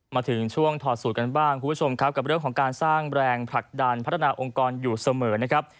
มาถึงช่วงถอดสูตรกันบ้างคุณผู้ชมครับกับเรื่องของการสร้างแรงผลักดันพัฒนาองค์กรอยู่เสมอนะครับ